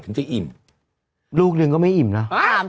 แฟนเลยนะ